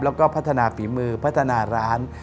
แล้วก็พัฒนาฝีมือพัฒนาร้าน